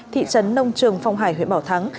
thị trấn nông trường phong hải huyện bảo thắng